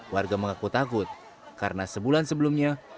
warga mengaku takut karena sebulan sebelumnya